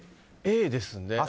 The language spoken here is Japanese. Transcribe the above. Ａですね。